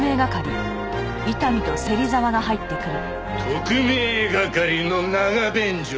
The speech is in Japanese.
特命係の長便所。